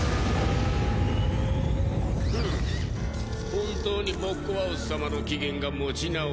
本当にボッコワウス様の機嫌が持ち直したな。